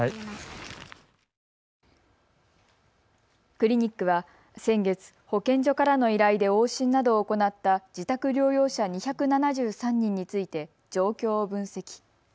クリニックは先月、保健所からの依頼で往診などを行った自宅療養者２７３人について状況を分析。